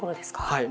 はい。